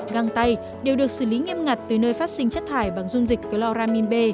găng tay đều được xử lý nghiêm ngặt từ nơi phát sinh chất thải bằng dung dịch chloramin b